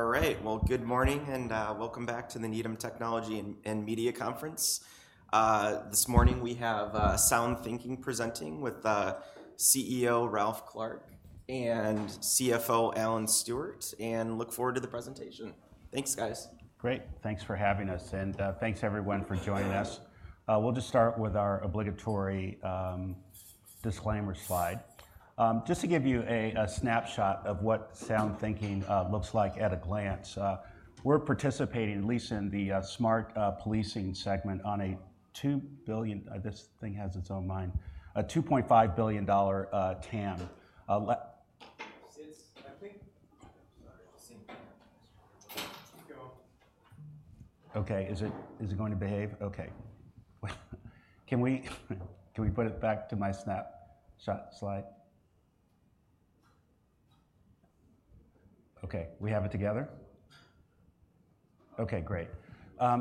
All right. Well, good morning, and welcome back to the Needham Technology and Media Conference. This morning, we have SoundThinking presenting with CEO Ralph Clark and CFO Alan Stewart, and look forward to the presentation. Thanks, guys. Great. Thanks for having us, and, thanks everyone for joining us. We'll just start with our obligatory, disclaimer slide. Just to give you a snapshot of what SoundThinking looks like at a glance, we're participating, at least in the, smart policing segment, on a $2 billion... this thing has its own mind. A $2.5 billion dollar TAM. Le- Since I think? Sorry. Keep going. Okay, is it, is it going to behave? Okay. Can we, can we put it back to my snapshot slide? Okay, we have it together? Okay, great.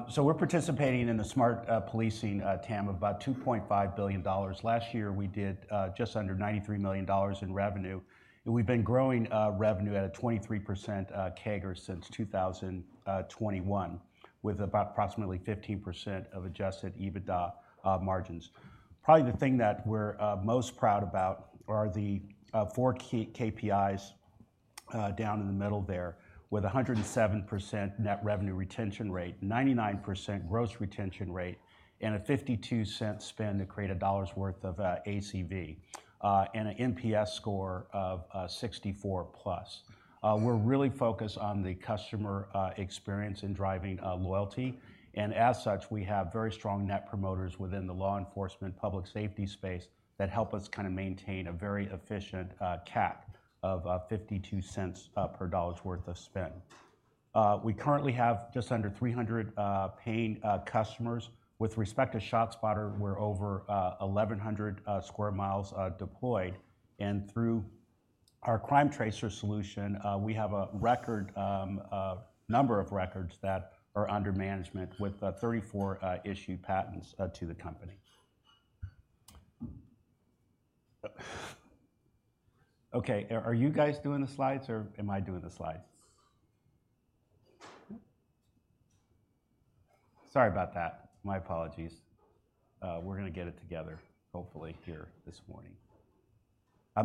So we're participating in the smart policing TAM of about $2.5 billion. Last year, we did just under $93 million in revenue, and we've been growing revenue at a 23% CAGR since 2021, with about approximately 15% of adjusted EBITDA margins. Probably the thing that we're most proud about are the four key KPIs down in the middle there, with a 107% net revenue retention rate, 99% gross retention rate, and a $0.52 spend to create a dollar's worth of ACV, and an NPS score of 64+. We're really focused on the customer experience in driving loyalty, and as such, we have very strong net promoters within the law enforcement public safety space that help us kind of maintain a very efficient CAC of $0.52 per dollar's worth of spend. We currently have just under 300 paying customers. With respect to ShotSpotter, we're over 1,100 sq mi deployed, and through our CrimeTracer solution, we have a record number of records that are under management with 34 issued patents to the company. Okay, are you guys doing the slides, or am I doing the slides? Sorry about that. My apologies. We're gonna get it together, hopefully here this morning.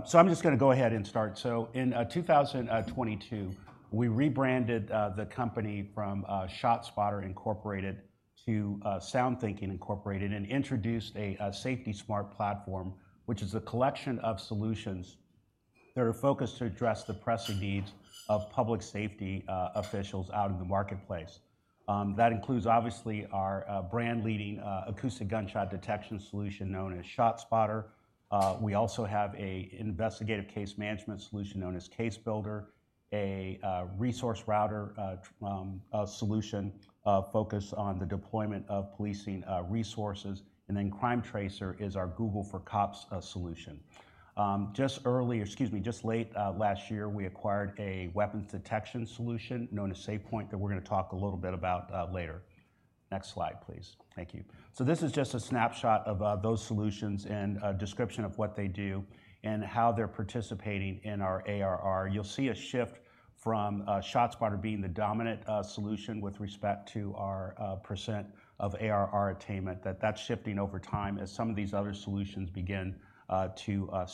So I'm just gonna go ahead and start. So in 2022, we rebranded the company from ShotSpotter Incorporated to SoundThinking Incorporated and introduced a SafetySmart Platform, which is a collection of solutions that are focused to address the pressing needs of public safety officials out in the marketplace. That includes, obviously, our brand-leading acoustic gunshot detection solution, known as ShotSpotter. We also have a investigative case management solution known as CaseBuilder, a ResourceRouter, a solution focused on the deployment of policing resources, and then CrimeTracer is our Google for Cops solution. Just early, excuse me, just late last year, we acquired a weapons detection solution known as SafePointe, that we're gonna talk a little bit about later. Next slide, please. Thank you. So this is just a snapshot of those solutions and a description of what they do and how they're participating in our ARR. You'll see a shift from ShotSpotter being the dominant solution with respect to our percent of ARR attainment. That's shifting over time as some of these other solutions begin to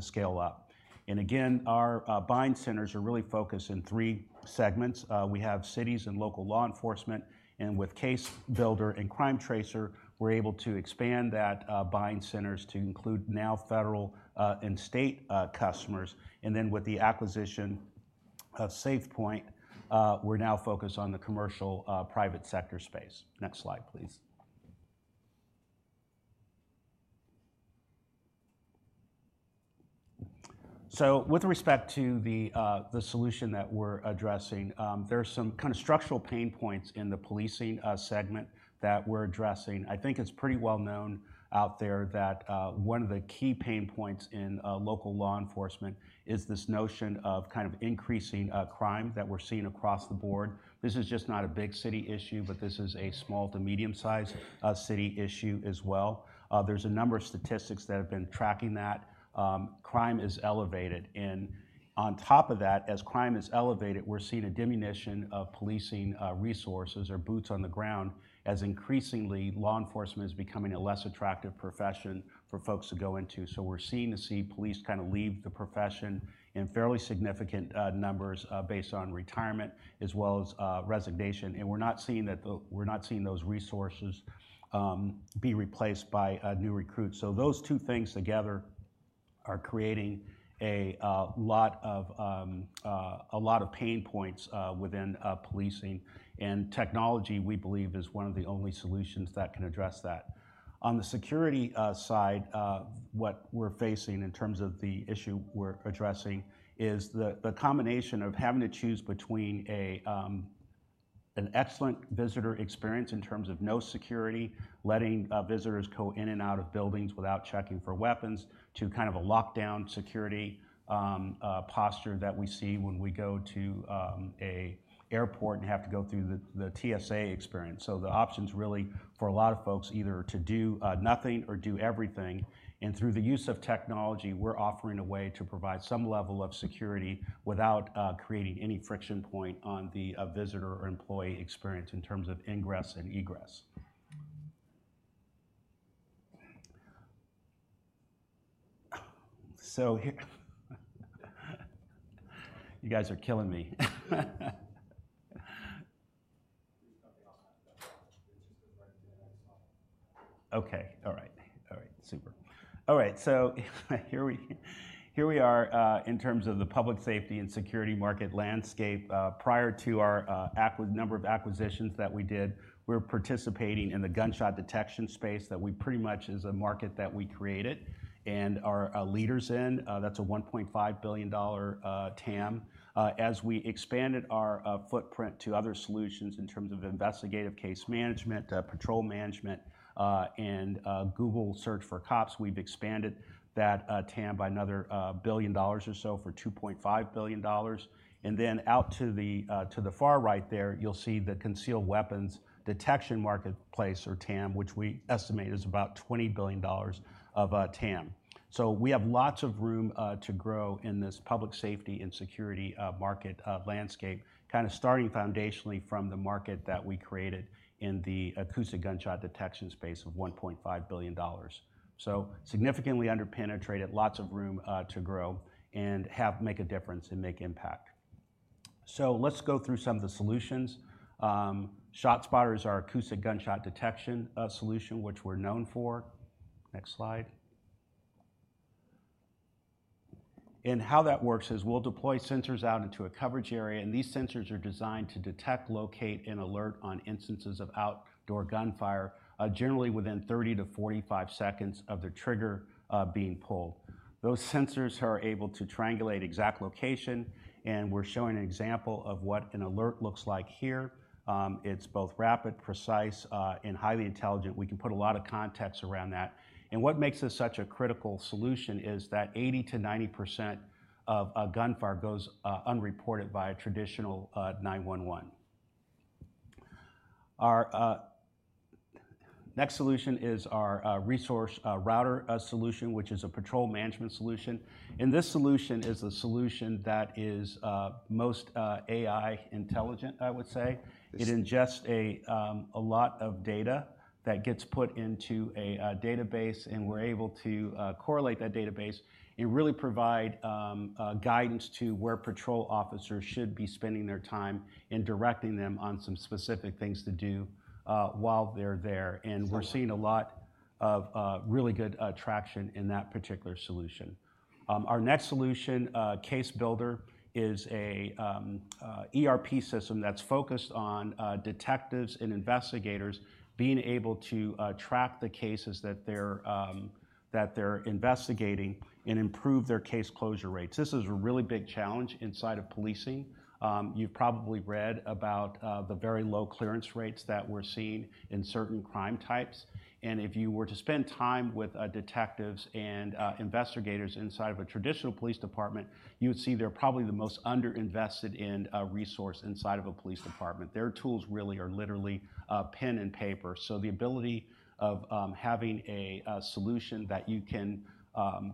scale up. And again, our buying centers are really focused in three segments. We have cities and local law enforcement, and with CaseBuilder and CrimeTracer, we're able to expand that buying centers to include now federal and state customers. And then with the acquisition of SafePointe, we're now focused on the commercial private sector space. Next slide, please. With respect to the solution that we're addressing, there are some kind of structural pain points in the policing segment that we're addressing. I think it's pretty well known out there that one of the key pain points in local law enforcement is this notion of kind of increasing crime that we're seeing across the board. This is just not a big city issue, but this is a small to medium-sized city issue as well. There's a number of statistics that have been tracking that. Crime is elevated, and on top of that, as crime is elevated, we're seeing a diminution of policing resources or boots on the ground as increasingly, law enforcement is becoming a less attractive profession for folks to go into. So we're seeing police kind of leave the profession in fairly significant numbers based on retirement as well as resignation, and we're not seeing those resources be replaced by new recruits. So those two things together are creating a lot of pain points within policing, and technology, we believe, is one of the only solutions that can address that. On the security side, what we're facing in terms of the issue we're addressing is the combination of having to choose between an excellent visitor experience in terms of no security, letting visitors go in and out of buildings without checking for weapons, to kind of a lockdown security posture that we see when we go to an airport and have to go through the TSA experience. So the options really for a lot of folks, either to do nothing or do everything, and through the use of technology, we're offering a way to provide some level of security without creating any friction point on the visitor or employee experience in terms of ingress and egress. So here— You guys are killing me. There's nothing on that. It just goes right to the next slide. Okay, all right. All right, super. All right, so here we are in terms of the public safety and security market landscape. Prior to our number of acquisitions that we did, we were participating in the gunshot detection space, that we pretty much is a market that we created and are leaders in. That's a $1.5 billion TAM. As we expanded our footprint to other solutions in terms of investigative case management, patrol management, and Google search for cops, we've expanded that TAM by another billion dollars or so, for $2.5 billion. And then out to the far right there, you'll see the concealed weapons detection marketplace, or TAM, which we estimate is about $20 billion of TAM. We have lots of room to grow in this public safety and security market landscape, kind of starting foundationally from the market that we created in the acoustic gunshot detection space of $1.5 billion. Significantly underpenetrated, lots of room to grow and make a difference and make impact. Let's go through some of the solutions. ShotSpotter is our acoustic gunshot detection solution, which we're known for. Next slide. How that works is we'll deploy sensors out into a coverage area, and these sensors are designed to detect, locate, and alert on instances of outdoor gunfire, generally within 30-45 seconds of the trigger being pulled. Those sensors are able to triangulate exact location, and we're showing an example of what an alert looks like here. It's both rapid, precise, and highly intelligent. We can put a lot of context around that. And what makes this such a critical solution is that 80%-90% of gunfire goes unreported via traditional 911. Our next solution is our ResourceRouter solution, which is a patrol management solution. And this solution is a solution that is most AI intelligent, I would say. It ingests a lot of data that gets put into a database, and we're able to correlate that database and really provide guidance to where patrol officers should be spending their time and directing them on some specific things to do while they're there. And we're seeing a lot of really good traction in that particular solution. Our next solution, CaseBuilder, is a ERP system that's focused on detectives and investigators being able to track the cases that they're investigating and improve their case closure rates. This is a really big challenge inside of policing. You've probably read about the very low clearance rates that we're seeing in certain crime types, and if you were to spend time with detectives and investigators inside of a traditional police department, you would see they're probably the most underinvested in resource inside of a police department. Their tools really are literally pen and paper. So the ability of having a solution that you can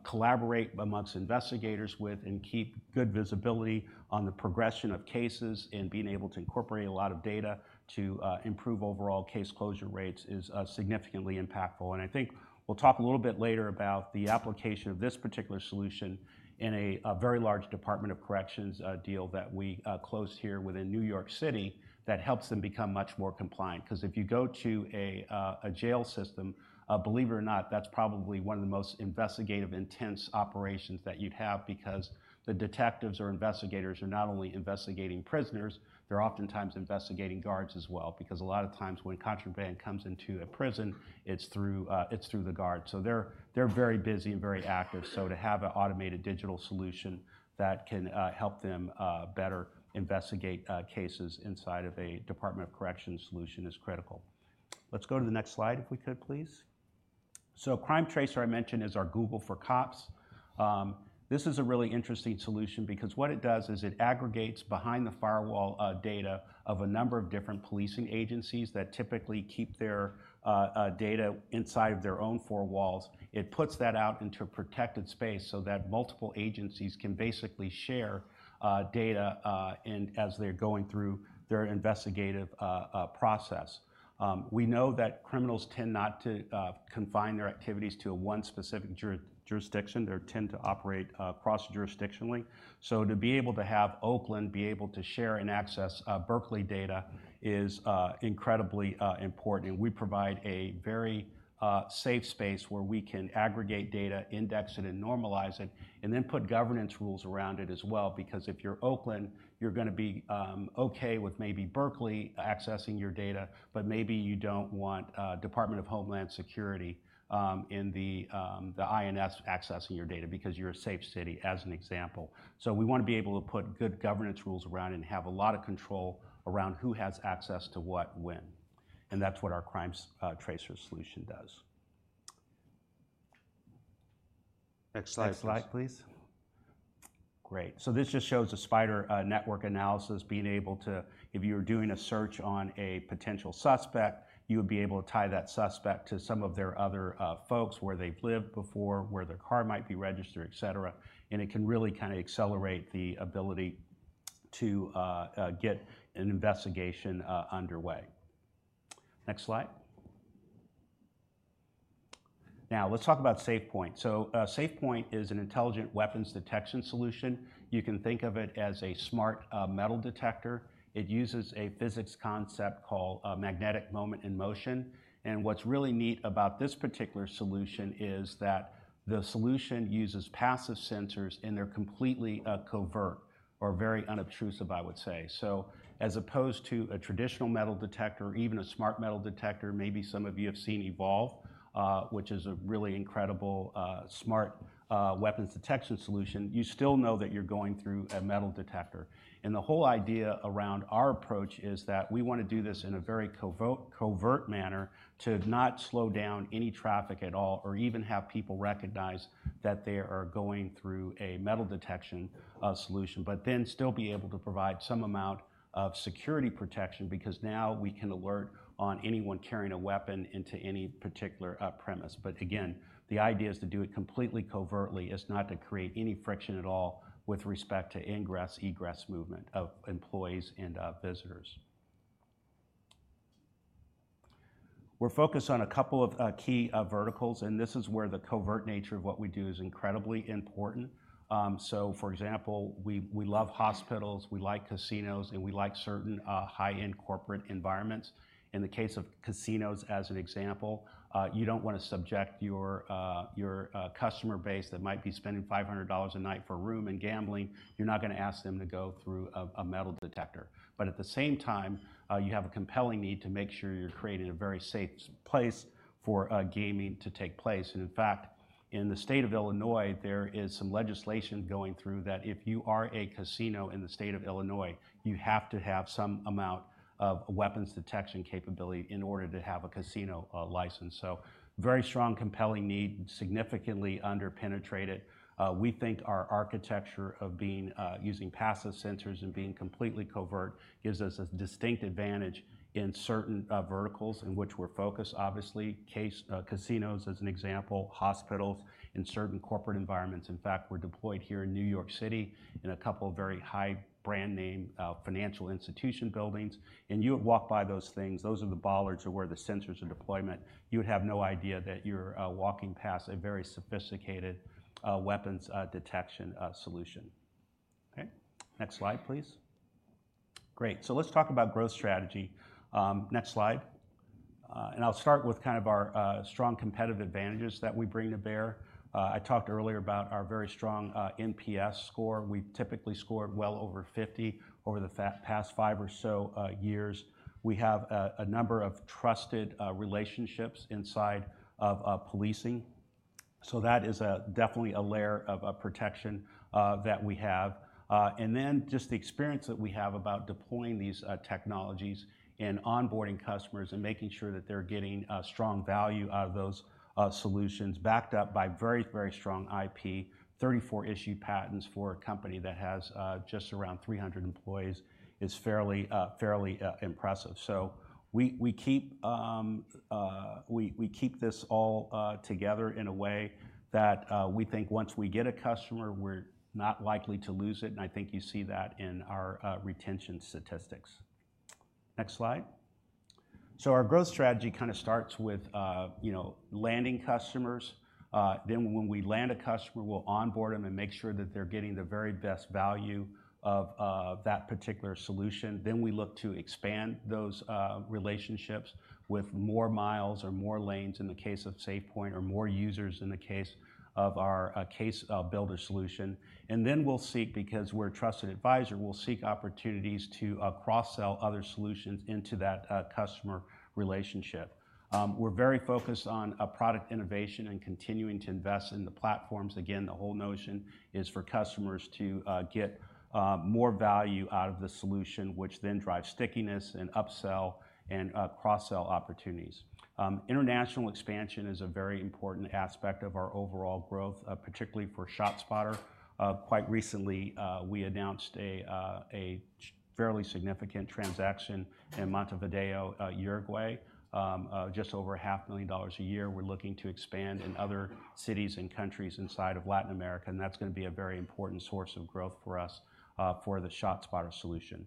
collaborate amongst investigators with and keep good visibility on the progression of cases, and being able to incorporate a lot of data to improve overall case closure rates, is significantly impactful. And I think we'll talk a little bit later about the application of this particular solution in a very large Department of Corrections deal that we closed here within New York City, that helps them become much more compliant. 'Cause if you go to a jail system, believe it or not, that's probably one of the most investigative, intense operations that you'd have, because the detectives or investigators are not only investigating prisoners, they're oftentimes investigating guards as well, because a lot of times when contraband comes into a prison, it's through the guards. So they're very busy and very active. So to have an automated digital solution that can help them better investigate cases inside of a Department of Corrections solution is critical. Let's go to the next slide, if we could, please. So CrimeTracer, I mentioned, is our Google for cops. This is a really interesting solution because what it does is it aggregates, behind the firewall, data of a number of different policing agencies that typically keep their data inside of their own four walls. It puts that out into a protected space so that multiple agencies can basically share data, and as they're going through their investigative process. We know that criminals tend not to confine their activities to one specific jurisdiction. They tend to operate cross-jurisdictionally. So to be able to have Oakland be able to share and access, Berkeley data is, incredibly, important. We provide a very, safe space where we can aggregate data, index it, and normalize it, and then put governance rules around it as well. Because if you're Oakland, you're gonna be, okay with maybe Berkeley accessing your data, but maybe you don't want, Department of Homeland Security, in the, the INS accessing your data because you're a safe city, as an example. So we wanna be able to put good governance rules around and have a lot of control around who has access to what, when. And that's what our CrimeTracer solution does. Next slide, please. Next slide, please. Great. So this just shows a spider network analysis. If you were doing a search on a potential suspect, you would be able to tie that suspect to some of their other folks, where they've lived before, where their car might be registered, et cetera, and it can really kind of accelerate the ability to get an investigation underway. Next slide. Now, let's talk about SafePointe. So, SafePointe is an intelligent weapons detection solution. You can think of it as a smart metal detector. It uses a physics concept called magnetic moment in motion, and what's really neat about this particular solution is that the solution uses passive sensors, and they're completely covert or very unobtrusive, I would say. So as opposed to a traditional metal detector, or even a smart metal detector, maybe some of you have seen Evolv, which is a really incredible smart weapons detection solution. You still know that you're going through a metal detector, and the whole idea around our approach is that we wanna do this in a very covert manner to not slow down any traffic at all, or even have people recognize that they are going through a metal detection solution. But then still be able to provide some amount of security protection, because now we can alert on anyone carrying a weapon into any particular premise. But again, the idea is to do it completely covertly. It's not to create any friction at all with respect to ingress, egress movement of employees and visitors. We're focused on a couple of key verticals, and this is where the covert nature of what we do is incredibly important. So for example, we love hospitals, we like casinos, and we like certain high-end corporate environments. In the case of casinos, as an example, you don't want to subject your customer base that might be spending $500 a night for a room and gambling, you're not gonna ask them to go through a metal detector. But at the same time, you have a compelling need to make sure you're creating a very safe place for gaming to take place. And in fact, in the state of Illinois, there is some legislation going through, that if you are a casino in the state of Illinois, you have to have some amount of weapons detection capability in order to have a casino license. So very strong, compelling need, significantly underpenetrated. We think our architecture of being using passive sensors and being completely covert gives us a distinct advantage in certain verticals in which we're focused. Obviously, casinos, as an example, hospitals, and certain corporate environments. In fact, we're deployed here in New York City, in a couple of very high brand name financial institution buildings, and you would walk by those things, those are the bollards where the sensors are deployed. You would have no idea that you're walking past a very sophisticated weapons detection solution. Okay? Next slide, please. Great, so let's talk about growth strategy. Next slide. And I'll start with kind of our strong competitive advantages that we bring to bear. I talked earlier about our very strong NPS score. We've typically scored well over 50 over the past five or so years. We have a number of trusted relationships inside of policing, so that is definitely a layer of protection that we have. And then just the experience that we have about deploying these technologies and onboarding customers, and making sure that they're getting strong value out of those solutions, backed up by very, very strong IP. 34 issued patents for a company that has just around 300 employees is fairly, fairly impressive. So we keep this all together in a way that we think once we get a customer, we're not likely to lose it, and I think you see that in our retention statistics. Next slide. So our growth strategy kind of starts with you know, landing customers. Then when we land a customer, we'll onboard them and make sure that they're getting the very best value of that particular solution. Then we look to expand those relationships with more miles or more lanes, in the case of SafePointe, or more users in the case of our CaseBuilder solution. And then we'll seek, because we're a trusted advisor, we'll seek opportunities to cross-sell other solutions into that customer relationship. We're very focused on product innovation and continuing to invest in the platforms. Again, the whole notion is for customers to get more value out of the solution, which then drives stickiness and upsell and cross-sell opportunities. International expansion is a very important aspect of our overall growth, particularly for ShotSpotter. Quite recently, we announced a fairly significant transaction in Montevideo, Uruguay. Just over $500,000 a year. We're looking to expand in other cities and countries inside of Latin America, and that's gonna be a very important source of growth for us, for the ShotSpotter solution.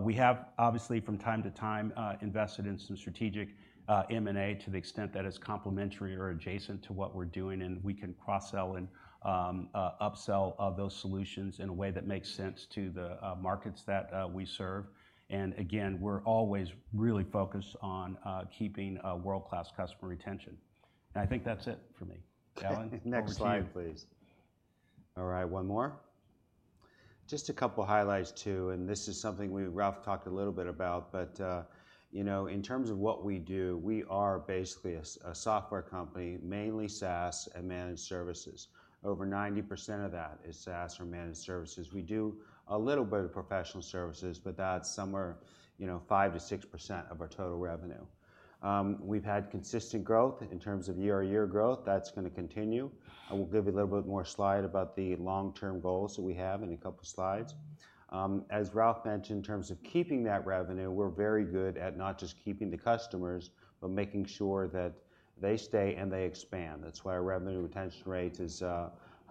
We have, obviously, from time to time, invested in some strategic M&A to the extent that it's complementary or adjacent to what we're doing, and we can cross-sell and upsell those solutions in a way that makes sense to the markets that we serve. And again, we're always really focused on keeping a world-class customer retention. And I think that's it for me. Alan, over to you. Next slide, please. All right, one more. Just a couple highlights, too, and this is something we, Ralph talked a little bit about, but, you know, in terms of what we do, we are basically a software company, mainly SaaS and managed services. Over 90% of that is SaaS or managed services. We do a little bit of professional services, but that's somewhere, you know, 5%-6% of our total revenue. We've had consistent growth in terms of year-on-year growth. That's gonna continue. I will give you a little bit more slide about the long-term goals that we have in a couple slides. As Ralph mentioned, in terms of keeping that revenue, we're very good at not just keeping the customers, but making sure that they stay and they expand. That's why our revenue retention rate is...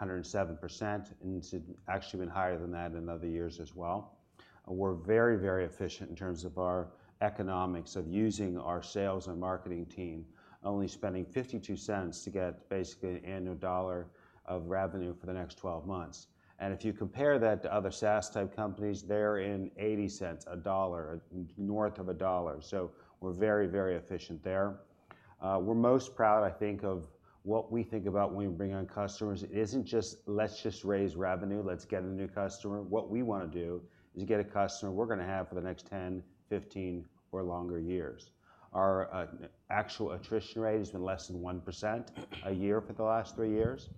107%, and it's actually been higher than that in other years as well. We're very, very efficient in terms of our economics, of using our sales and marketing team, only spending $0.52 to get basically $1 of revenue for the next 12 months. And if you compare that to other SaaS type companies, they're in $0.80, $1, north of $1. So we're very, very efficient there. We're most proud, I think, of what we think about when we bring on customers. It isn't just, let's just raise revenue, let's get a new customer. What we wanna do is get a customer we're gonna have for the next 10, 15, or longer years. Our actual attrition rate has been less than 1% a year for the last three years,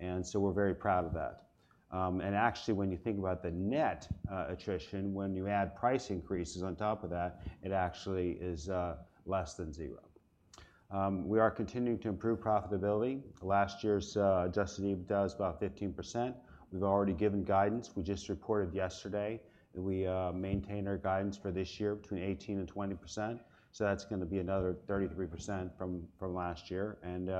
and so we're very proud of that. Actually, when you think about the net attrition, when you add price increases on top of that, it actually is less than zero. We are continuing to improve profitability. Last year's adjusted EBITDA was about 15%. We've already given guidance. We just reported yesterday that we maintain our guidance for this year between 18%-20%, so that's gonna be another 33% from last year. And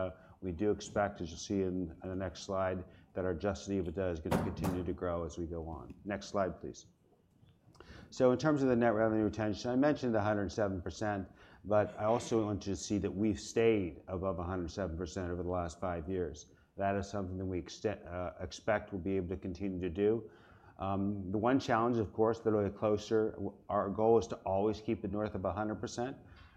we do expect, as you'll see in the next slide, that our adjusted EBITDA is gonna continue to grow as we go on. Next slide, please. So in terms of the net revenue retention, I mentioned the 107%, but I also want you to see that we've stayed above 107% over the last five years. That is something that we expect we'll be able to continue to do. The one challenge, of course, that we're closer—our goal is to always keep it north of 100%.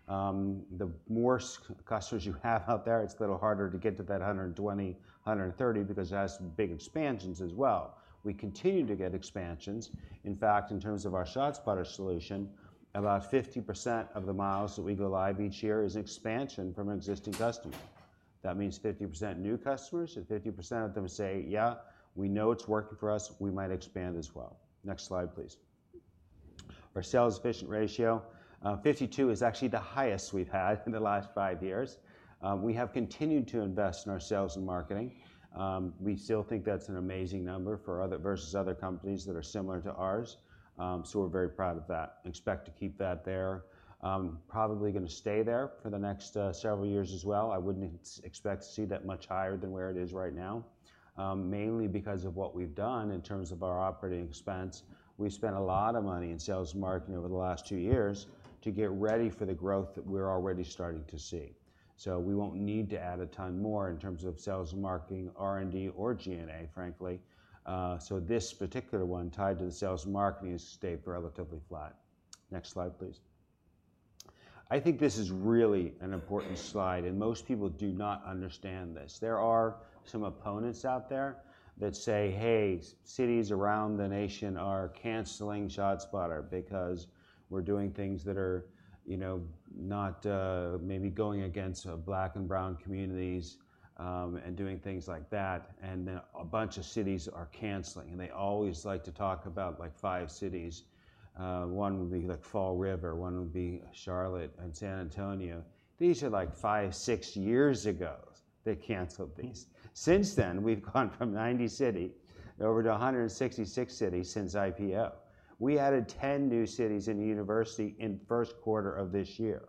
The more customers you have out there, it's a little harder to get to that 120%, 130%, because that's big expansions as well. We continue to get expansions. In fact, in terms of our ShotSpotter solution, about 50% of the miles that we go live each year is expansion from an existing customer. That means 50% new customers and 50% of them say, "Yeah, we know it's working for us. We might expand as well." Next slide, please. Our sales efficiency ratio, 52, is actually the highest we've had in the last five years. We have continued to invest in our sales and marketing. We still think that's an amazing number for other versus other companies that are similar to ours, so we're very proud of that, and expect to keep that there. Probably gonna stay there for the next several years as well. I wouldn't expect to see that much higher than where it is right now, mainly because of what we've done in terms of our operating expense. We spent a lot of money in sales and marketing over the last two years to get ready for the growth that we're already starting to see. So we won't need to add a ton more in terms of sales and marketing, R&D, or G&A, frankly. So this particular one, tied to the sales and marketing, has stayed relatively flat. Next slide, please. I think this is really an important slide, and most people do not understand this. There are some opponents out there that say, "Hey, cities around the nation are canceling ShotSpotter because we're doing things that are, you know, not, maybe going against, black and brown communities, and doing things like that, and then a bunch of cities are canceling." And they always like to talk about, like, five cities. One would be, like, Fall River, one would be Charlotte and San Antonio. These are, like, five, six years ago they canceled these. Since then, we've gone from 90 cities over to 166 cities since IPO. We added 10 new cities and a university in the first quarter of this year.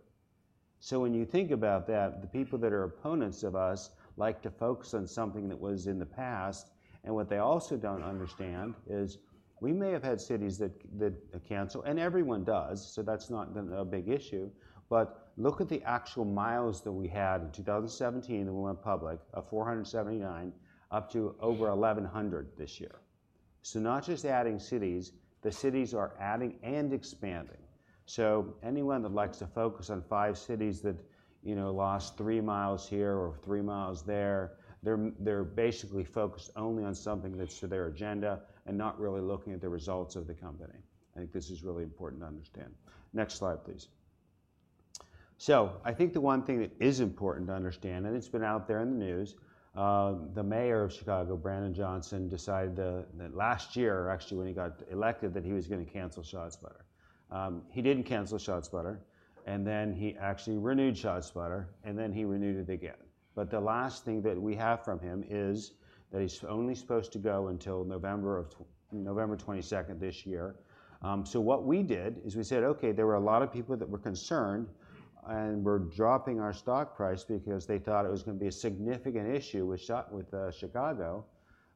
So when you think about that, the people that are opponents of us like to focus on something that was in the past. And what they also don't understand is we may have had cities that that cancel, and everyone does, so that's not been a big issue. But look at the actual miles that we had in 2017 when we went public, of 479, up to over 1,100 this year. So not just adding cities, the cities are adding and expanding. So anyone that likes to focus on five cities that, you know, lost 3 mi here or 3 mi there, they're they're basically focused only on something that's to their agenda and not really looking at the results of the company. I think this is really important to understand. Next slide, please. So I think the one thing that is important to understand, and it's been out there in the news, the mayor of Chicago, Brandon Johnson, decided that last year, or actually when he got elected, that he was gonna cancel ShotSpotter. He didn't cancel ShotSpotter, and then he actually renewed ShotSpotter, and then he renewed it again. But the last thing that we have from him is that it's only supposed to go until November 22nd this year. So what we did is we said, "Okay, there were a lot of people that were concerned and were dropping our stock price because they thought it was gonna be a significant issue with Chicago,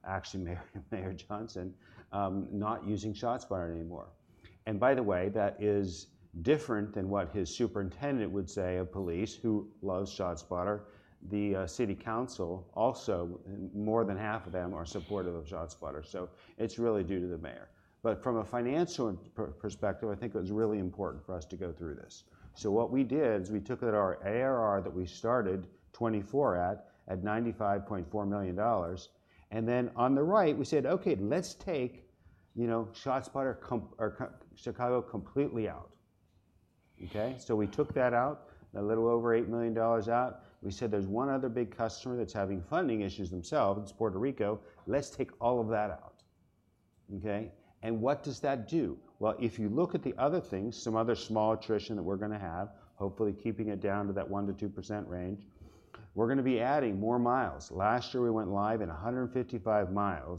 actually, Mayor Johnson, not using ShotSpotter anymore." And by the way, that is different than what his superintendent of police would say, who loves ShotSpotter. The city council, also, more than half of them are supportive of ShotSpotter, so it's really due to the mayor. But from a financial perspective, I think it was really important for us to go through this. So what we did is we took out our ARR that we started 2024 at, at $95.4 million, and then on the right, we said, "Okay, let's take, you know, ShotSpotter Chicago completely out." Okay? So we took that out, a little over $8 million out. We said, "There's one other big customer that's having funding issues themselves. It's Puerto Rico. Let's take all of that out." Okay, and what does that do? Well, if you look at the other things, some other small attrition that we're gonna have, hopefully keeping it down to that 1%-2% range. We're gonna be adding more miles. Last year, we went live in 155 mi,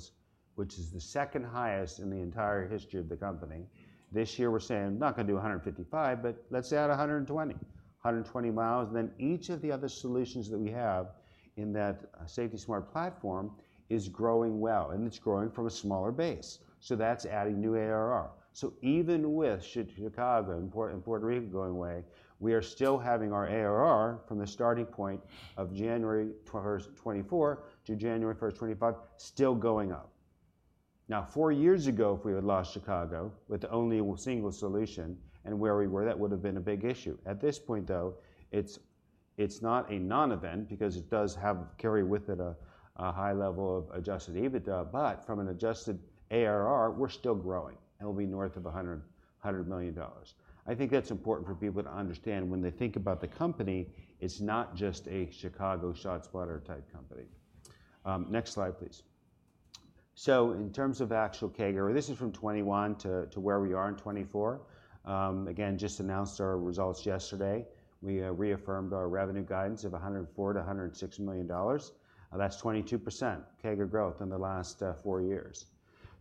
which is the second highest in the entire history of the company. This year, we're saying, "We're not gonna do 155 mi, but let's add 120 mi." 120 mi, then each of the other solutions that we have in that SafetySmart Platform is growing well, and it's growing from a smaller base. So that's adding new ARR. So even with Chicago and Puerto Rico going away, we are still having our ARR from the starting point of January 1st, 2024 to January 1st, 2025, still going up. Now, four years ago, if we had lost Chicago with only a single solution and where we were, that would have been a big issue. At this point, though, it's not a non-event because it does have carry with it a high level of adjusted EBITDA, but from an adjusted ARR, we're still growing. It'll be north of 100 million dollars. I think that's important for people to understand when they think about the company; it's not just a Chicago ShotSpotter-type company. Next slide, please. So in terms of actual CAGR, this is from 2021 to where we are in 2024. Again, just announced our results yesterday. We reaffirmed our revenue guidance of $104 million-$106 million. That's 22% CAGR growth in the last four years.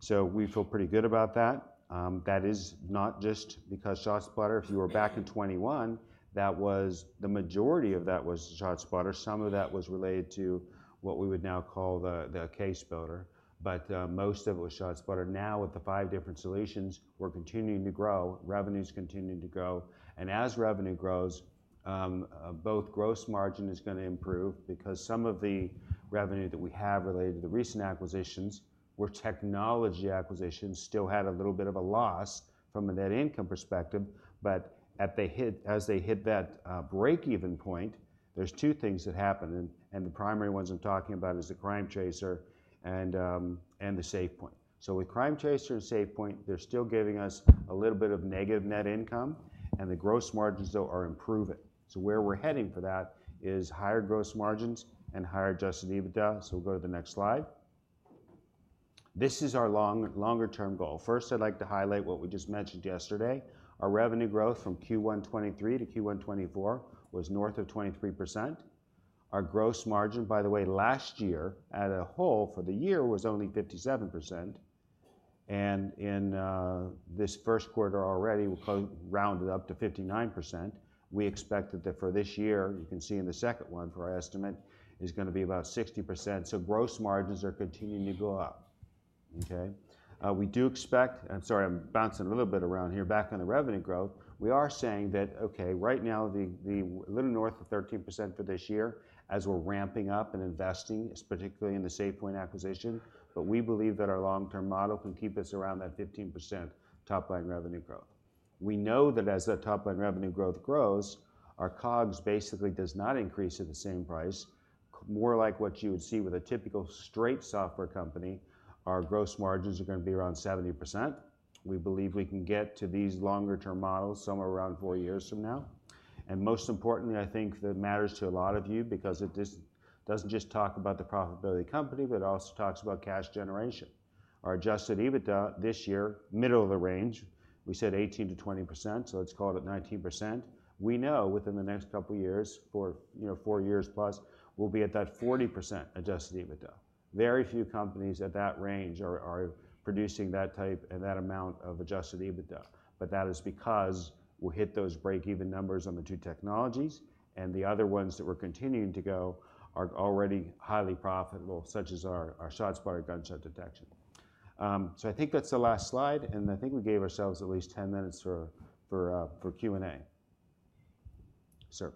So we feel pretty good about that. That is not just because ShotSpotter. If you were back in 2021, that was the majority of that was ShotSpotter. Some of that was related to what we would now call the CaseBuilder, but most of it was ShotSpotter. Now, with the five different solutions, we're continuing to grow, revenue's continuing to grow, and as revenue grows, both gross margin is gonna improve because some of the revenue that we have related to the recent acquisitions were technology acquisitions, still had a little bit of a loss from a net income perspective. But as they hit that break-even point, there's two things that happen, and the primary ones I'm talking about is the CrimeTracer and the SafePointe. So with CrimeTracer and SafePointe, they're still giving us a little bit of negative net income, and the gross margins, though, are improving. So where we're heading for that is higher gross margins and higher adjusted EBITDA. So we'll go to the next slide. This is our longer-term goal. First, I'd like to highlight what we just mentioned yesterday. Our revenue growth from Q1 2023 to Q1 2024 was north of 23%. Our gross margin, by the way, last year, as a whole for the year, was only 57%, and in this first quarter already, we rounded up to 59%. We expected that for this year, you can see in the second one for our estimate, is gonna be about 60%. So gross margins are continuing to go up, okay? We do expect... I'm sorry, I'm bouncing a little bit around here. Back on the revenue growth, we are saying that, okay, right now, the little north of 13% for this year, as we're ramping up and investing, is particularly in the SafePointe acquisition, but we believe that our long-term model can keep us around that 15% top-line revenue growth. We know that as that top-line revenue growth grows, our COGS basically does not increase at the same price. More like what you would see with a typical straight software company, our gross margins are gonna be around 70%. We believe we can get to these longer-term models somewhere around four years from now. And most importantly, I think that matters to a lot of you because it just doesn't just talk about the profitability of the company, but it also talks about cash generation. Our adjusted EBITDA this year, middle of the range, we said 18%-20%, so let's call it 19%. We know within the next couple of years, four, you know, four years plus, we'll be at that 40% adjusted EBITDA. Very few companies at that range are producing that type and that amount of adjusted EBITDA, but that is because we'll hit those break-even numbers on the two technologies, and the other ones that we're continuing to go are already highly profitable, such as our ShotSpotter gunshot detection. So I think that's the last slide, and I think we gave ourselves at least 10 minutes for Q&A. Sir?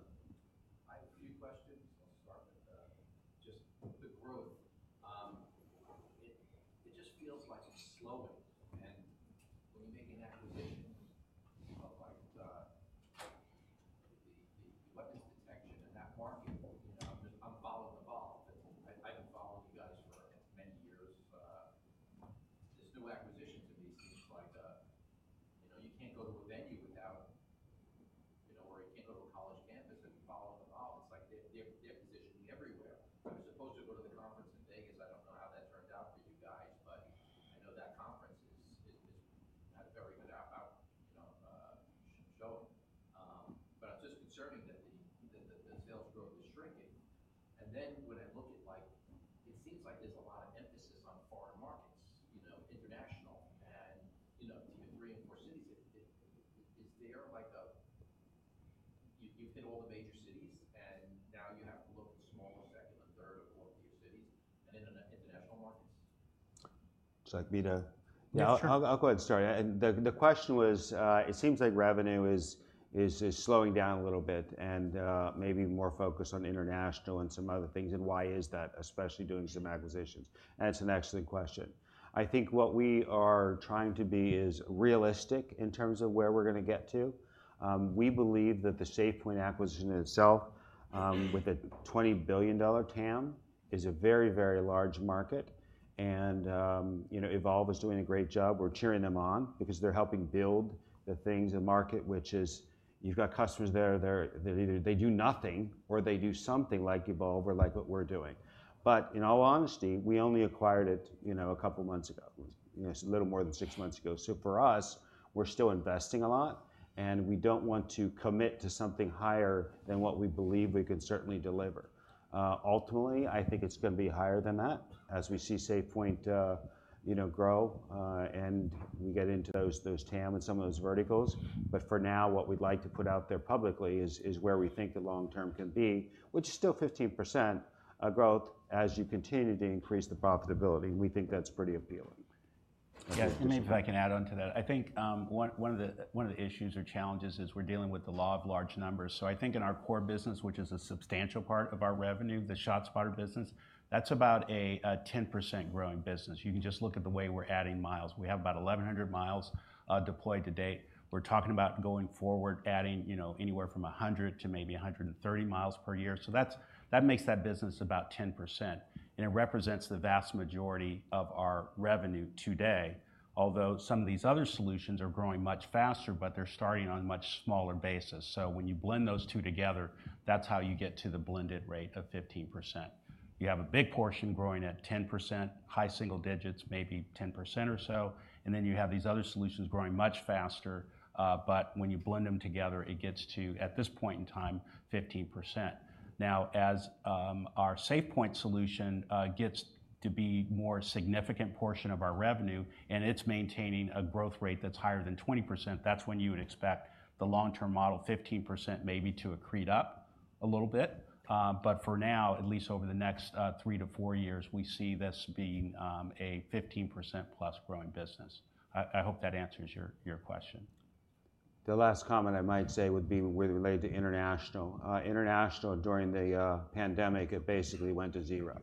and you know, Evolv is doing a great job. We're cheering them on because they're helping build the things and market, which is you've got customers there, they're either they do nothing or they do something like Evolv or like what we're doing. But in all honesty, we only acquired it, you know, a couple of months ago, you know, it's a little more than six months ago. So for us, we're still investing a lot, and we don't want to commit to something higher than what we believe we can certainly deliver. Ultimately, I think it's gonna be higher than that as we see SafePointe, you know, grow, and we get into those, those TAM and some of those verticals. But for now, what we'd like to put out there publicly is, is where we think the long term can be, which is still 15%, uh, growth, as you continue to increase the profitability, we think that's pretty appealing. Yes, and maybe if I can add on to that. I think, one of the issues or challenges is we're dealing with the law of large numbers. So I think in our core business, which is a substantial part of our revenue, the ShotSpotter business, that's about a 10% growing business. You can just look at the way we're adding miles. We have about 1,100 mi deployed to date. We're talking about going forward, adding, you know, anywhere from 100 mi to maybe 130 mi per year. So that's- that makes that business about 10%, and it represents the vast majority of our revenue today. Although some of these other solutions are growing much faster, but they're starting on a much smaller basis. So when you blend those two together, that's how you get to the blended rate of 15%. You have a big portion growing at 10%, high single digits, maybe 10% or so, and then you have these other solutions growing much faster, but when you blend them together, it gets to, at this point in time, 15%. Now, as our SafePointe solution gets to be more significant portion of our revenue, and it's maintaining a growth rate that's higher than 20%, that's when you would expect the long-term model, 15%, maybe to accrete up a little bit. But for now, at least over the next three to four years, we see this being a 15%+ growing business. I hope that answers your question. The last comment I might say would be with related to international. International, during the pandemic, it basically went to zero.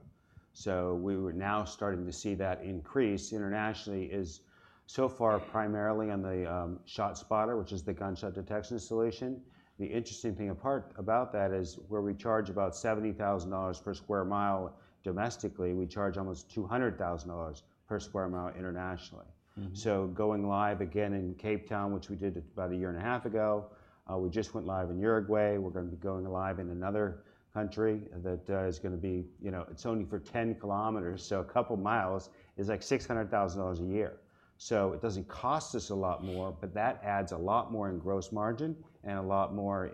So we were now starting to see that increase internationally is, so far, primarily on the ShotSpotter, which is the gunshot detection solution. The interesting thing, a part about that is, where we charge about $70,000 per sq mi domestically, we charge almost $200,000 per sq mi internationally. Mm-hmm. So going live again in Cape Town, which we did about a year and a half ago, we just went live in Uruguay. We're gonna be going live in another country that is gonna be... you know, it's only for 10 km, so a couple of miles is like $600,000 a year. So it doesn't cost us a lot more, but that adds a lot more in gross margin and a lot more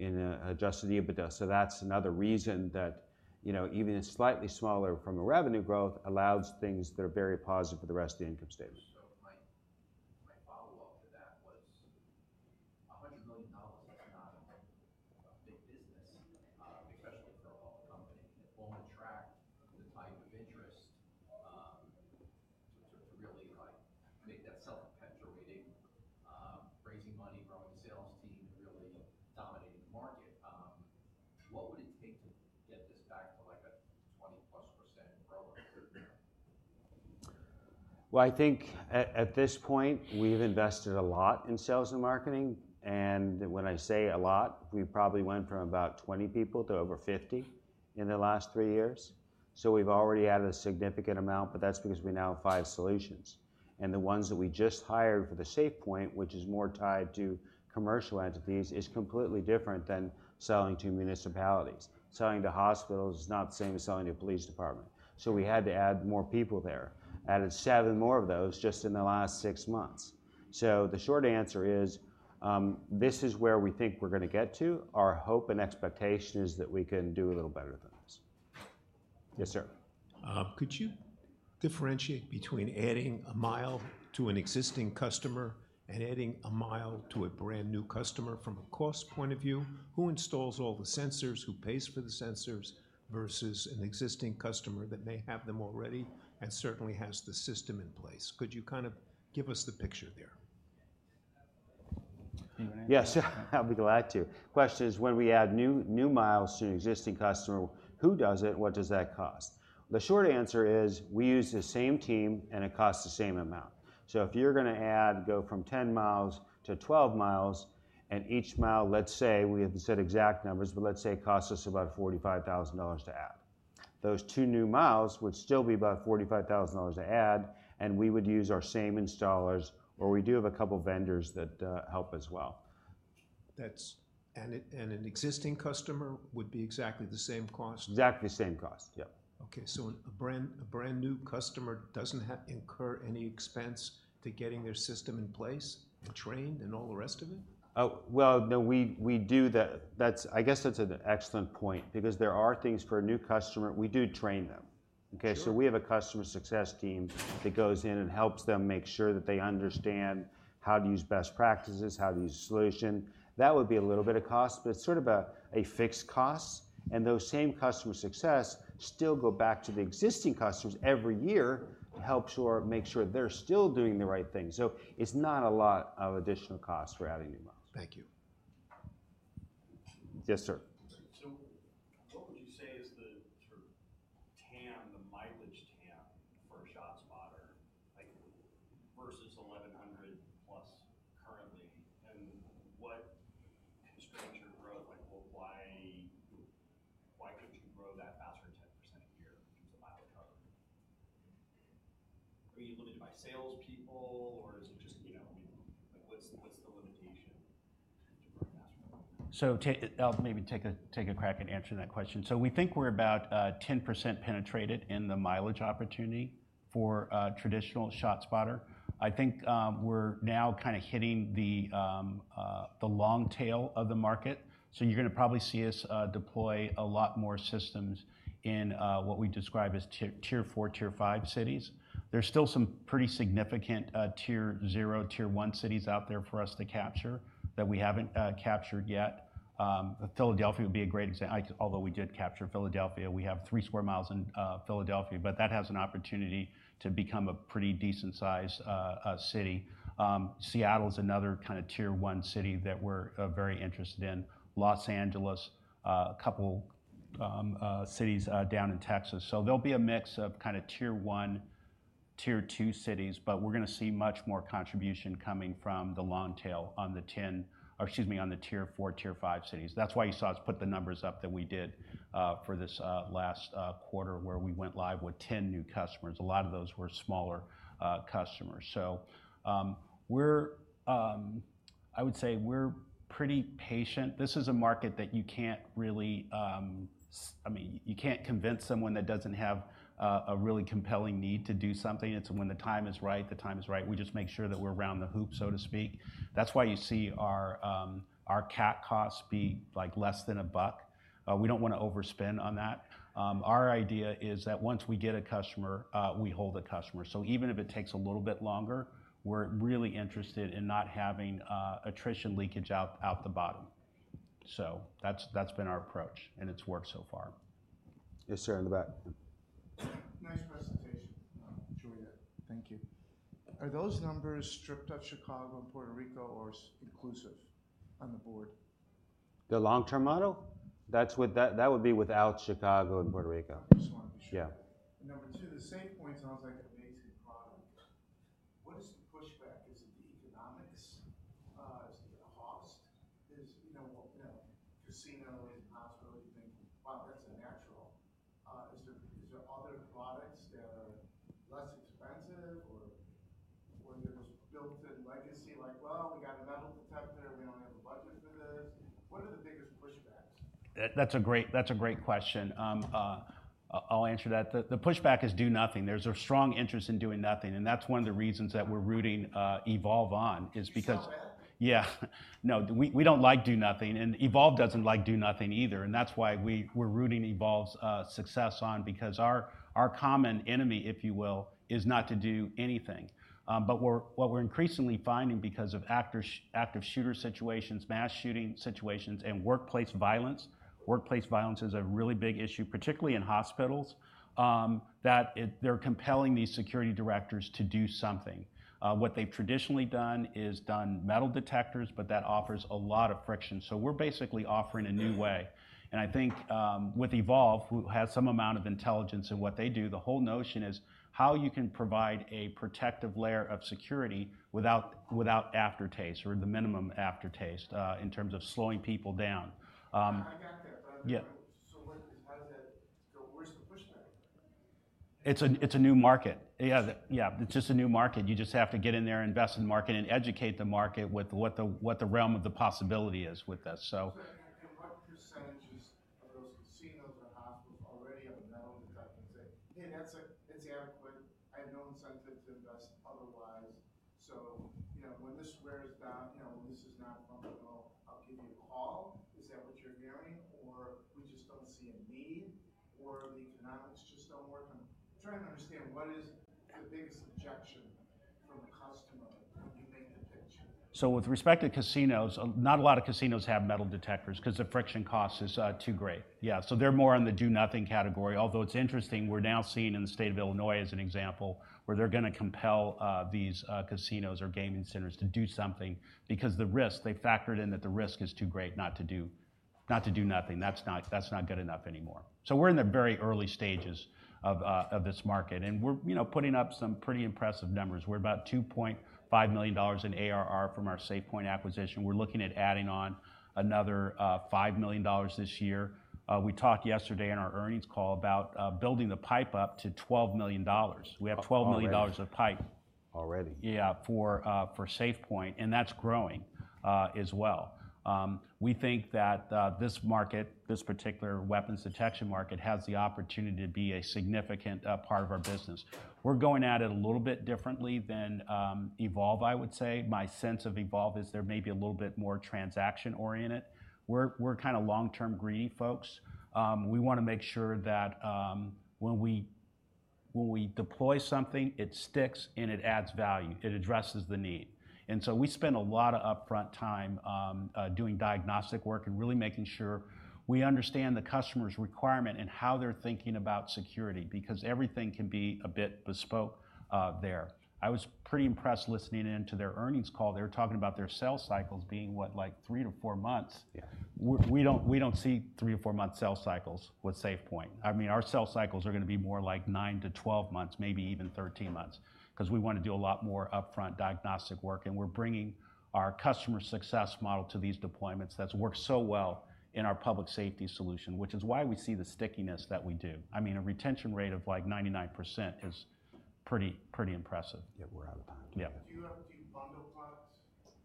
in adjusted EBITDA. So that's another reason that, you know, even a slightly smaller from a revenue growth, allows things that are very positive for the rest of the income statement. So my follow-up to that was, $100 million is not a big business, especially for a public company. It won't attract the type of interest to really, like, make that sell penetrating, raising money, growing a sales team, and really dominating the market. What would it take to get this back to, like, a 20%+ growth? Well, I think at this point, we've invested a lot in sales and marketing, and when I say a lot, we probably went from about 20 people to over 50 in the last three years. So we've already added a significant amount, but that's because we now have five solutions. And the ones that we just hired for the SafePointe, which is more tied to commercial entities, is completely different than selling to municipalities. Selling to hospitals is not the same as selling to a police department. So we had to add more people there. Added seven more of those just in the last six months. So the short answer is, this is where we think we're gonna get to. Our hope and expectation is that we can do a little better than this. Yes, sir? Could you differentiate between adding a mile to an existing customer and adding a mile to a brand-new customer from a cost point of view? Who installs all the sensors, who pays for the sensors, versus an existing customer that may have them already and certainly has the system in place? Could you kind of give us the picture there? You want to... Yes, I'll be glad to. Question is, when we add new miles to an existing customer, who does it? What does that cost? The short answer is, we use the same team, and it costs the same amount. So if you're gonna add, go from 10 mi-12 mi, and each mile, let's say, we have to set exact numbers, but let's say it costs us about $45,000 to add. Those two new miles would still be about $45,000 to add, and we would use our same installers, or we do have a couple of vendors that help as well. And an existing customer would be exactly the same cost? Exactly the same cost. Yeah. Okay, so a brand-new customer doesn't incur any expense to getting their system in place and trained and all the rest of it? Well, no, we do that. That's, I guess that's an excellent point because there are things for a new customer. We do train them. Sure. Okay, so we have a customer success team that goes in and helps them make sure that they understand how to use best practices, how to use the solution. That would be a little bit of cost, but it's sort of a fixed cost, and those same customer success still go back to the existing customers every year to help make sure they're still doing the right thing. So it's not a lot of additional cost for adding new miles. Thank you. Yes, sir. So what would you say is the sort of TAM, the mileage TAM for ShotSpotter, like, versus 1,100+ currently, and what constrains your growth? Like, well, why, why couldn't you grow that faster than 10% a year in terms of mileage cover? Are you limited by salespeople, or is it just, you know... I mean, like, what's, what's the limitation to grow faster? I'll maybe take a crack at answering that question. We think we're about 10% penetrated in the mileage opportunity for traditional ShotSpotter. I think we're now kind of hitting the long tail of the market, so you're gonna probably see us deploy a lot more systems in what we describe as tier four, tier five cities. There's still some pretty significant tier zero, tier one cities out there for us to capture that we haven't captured yet. Philadelphia would be a great example although we did capture Philadelphia. We have 3 sq mi in Philadelphia, but that has an opportunity to become a pretty decent size city. Seattle is another kind of tier one city that we're very interested in. Los Angeles, a couple cities down in Texas. So there'll be a mix of kind of tier one, tier two cities, but we're gonna see much more contribution coming from the long tail on the ten, or excuse me, on the tier four, tier five cities. That's why you saw us put the numbers up that we did, for this last quarter, where we went live with 10 new customers. A lot of those were smaller customers. So, I would say we're pretty patient. This is a market that you can't really, I mean, you can't convince someone that doesn't have a really compelling need to do something. It's when the time is right, the time is right. We just make sure that we're around the hoop, so to speak. That's why you see our, our CAC costs be like less than $1. We don't wanna overspend on that. Our idea is that once we get a customer, we hold the customer. So even if it takes a little bit longer, we're really interested in not having attrition leakage out the bottom. So that's been our approach, and it's worked so far. Yes, sir, in the back. Nice presentation. Enjoyed it. Thank you. Are those numbers stripped out Chicago and Puerto Rico or inclusive on the board? The long-term model? That would be without Chicago and Puerto Rico. Just wanna be sure. Yeah. Number two, the SafePointe sounds like amazing product. What is the pushback? Is it the economics? Is it the cost? Is, you know, you know, casino and hospitality, you think, "Wow, that's a natural." Is there, is there other products that are less expensive, or, or there's built-in legacy like, "Well, we got a metal detector, and we don't have a budget for this?" What are the biggest pushbacks? That, that's a great, that's a great question. I'll answer that. The pushback is do nothing. There's a strong interest in doing nothing, and that's one of the reasons that we're rooting Evolv on, is because- Sell it. Yeah, no, we don't like doing nothing, and Evolv doesn't like do nothing either. And that's why we're rooting Evolv's success on because our common enemy, if you will, is not to do anything. But we're... what we're increasingly finding, because of active shooter situations, mass shooting situations, and workplace violence, workplace violence is a really big issue, particularly in hospitals, that it, they're compelling these security directors to do something. What they've traditionally done is done metal detectors, but that offers a lot of friction. So we're basically offering a new way. Right. And I think, with Evolv, who has some amount of intelligence in what they do, the whole notion is how you can provide a protective layer of security without aftertaste or the minimum aftertaste, in terms of slowing people down. I got that. Yeah. So what, how does that... So where's the pushback? It's a new market. Yeah, it's just a new market. You just have to get in there, invest in the market, and educate the market with what the realm of the possibility is with this, $2.5 million in ARR from our SafePointe acquisition. We're looking at adding on another $5 million this year. We talked yesterday on our earnings call about building the pipe up to $12 million. Already. We have $12 million of pipe. Already. Yeah, for SafePointe, and that's growing as well. We think that this market, this particular weapons detection market, has the opportunity to be a significant part of our business. We're going at it a little bit differently than Evolv, I would say. My sense of Evolv is there may be a little bit more transaction-oriented. We're kinda long-term greedy folks. We wanna make sure that when we deploy something, it sticks, and it adds value. It addresses the need. We spend a lot of upfront time doing diagnostic work and really making sure we understand the customer's requirement and how they're thinking about security, because everything can be a bit bespoke there. I was pretty impressed listening in to their earnings call. They were talking about their sales cycles being, what? Like, three to four months. Yeah. We don't see three or four month sales cycles with SafePointe. I mean, our sales cycles are gonna be more like nine to two months, maybe even 13 months, 'cause we wanna do a lot more upfront diagnostic work, and we're bringing our customer success model to these deployments. That's worked so well in our public safety solution, which is why we see the stickiness that we do. I mean, a retention rate of like 99% is pretty impressive. Yeah, we're out of time. Yeah. Do you have the bundle products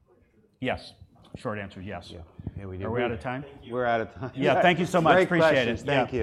like...? Yes. Short answer, yes. Yeah. Yeah, are we out of time? We're out of time. Yeah. Thank you so much. Great questions. Appreciate it. Thank you.